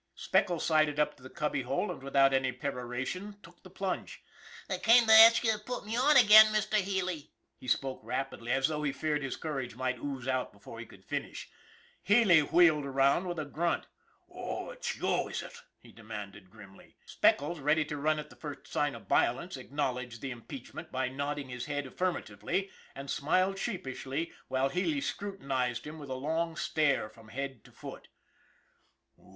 Speckles sidled up to the cubby hole, and, without any peroration, took the plunge. " I came to ask you to put me on again, Mr. Healy," he spoke rapidly, as though he feared his courage might ooze out before he could finish. Healy wheeled round with a grunt. " Oh, ut's you, is ut? " he demanded grimly. Speckles, ready to run at the first sign of violence, acknowledged the impeachment by nodding his head affirmatively, and smiled sheepishly while Healy scru tinized him with a long stare from head to foot.